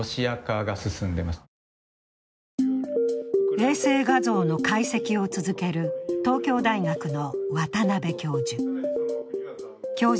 衛星画像の解析を続ける東京大学の渡邉教授。